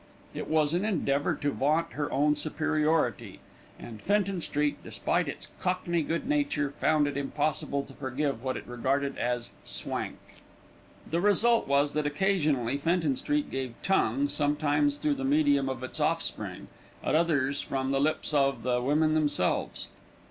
It was an endeavour to vaunt her own superiority, and Fenton Street, despite its cockney good nature, found it impossible to forgive what it regarded as "swank". The result was that occasionally Fenton Street gave tongue, sometimes through the medium of its offspring; at others from the lips of the women themselves.